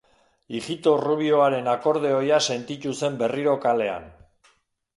Ijito Rubioaren akordeoia sentitu zen berriro kalean.